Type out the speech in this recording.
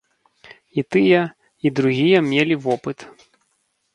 І тыя, і другія мелі вопыт.